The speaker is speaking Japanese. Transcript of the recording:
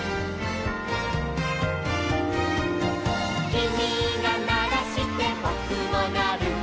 「きみがならしてぼくもなる」